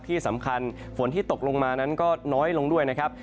ที่สำคัญฝนที่ตกลงมานั้นก็น้อยลงด้วยนะครับ